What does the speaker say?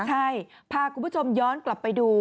ใช่พาคุณผู้ชมย้อนกลับไปดู